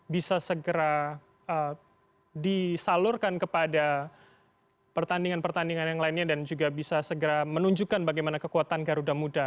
bisa segera disalurkan kepada pertandingan pertandingan yang lainnya dan juga bisa segera menunjukkan bagaimana kekuatan garuda muda